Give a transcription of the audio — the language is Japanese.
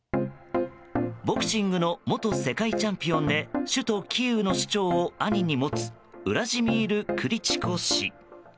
ボクシングの元世界チャンピオンで首都キーウの市長を兄に持つウラジミール・クリチコ氏。